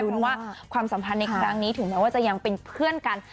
เพราะว่าความสัมพันธ์ในครั้งนี้ถึงแม้ว่าจะยังเป็นเพื่อนกัน